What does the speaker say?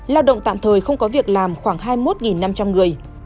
lao động tạm thời không có việc làm khoảng hai mươi một năm trăm linh người